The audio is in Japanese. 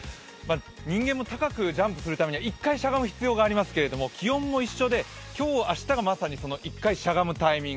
人間も高くジャンプするためには１回、しゃがむことが必要ですが気温も一緒で、今日、明日がまさに１回しゃがむタイミング。